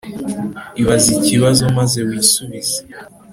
ibaze ikibazo maze wisubize